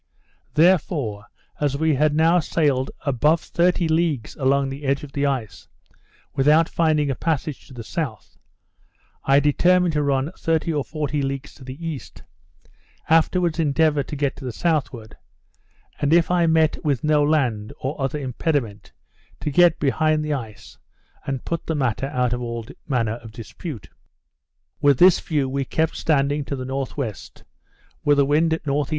Therefore, as we had now sailed above thirty leagues along the edge of the ice, without finding a passage to the south, I determined to run thirty or forty leagues to the east, afterwards endeavour to get to the southward, and, if I met with no land, or other impediment, to get behind the ice, and put the matter out of all manner of dispute. With this view, we kept standing to the N.W., with the wind at N.E.